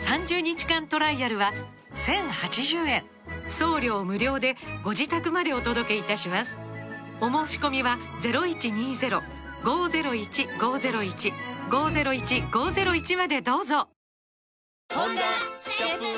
送料無料でご自宅までお届けいたしますお申込みは幅４０